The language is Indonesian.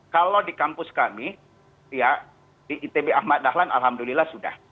kalau di kampus kami ya di itb ahmad dahlan alhamdulillah sudah